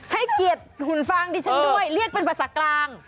ให้เกียรติหุ่นฟางดิฉันด้วยเรียกเป็นภาษากลาง